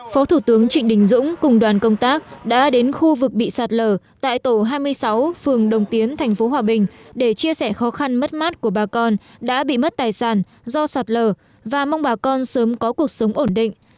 phó thủ tướng trịnh đình dũng cùng đoàn công tác đã đến khu vực bị sạt lở tại tổ hai mươi sáu phường đồng tiến thành phố hòa bình để chia sẻ khó khăn mất mát của bà con đã bị mất tài sản do sạt lở và mong bà con sớm có cuộc sống ổn định